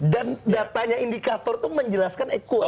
dan datanya indikator itu menjelaskan equal